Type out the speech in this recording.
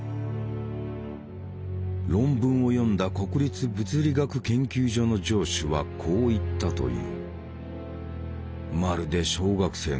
論文を読んだ国立物理学研究所の上司はこう言ったという。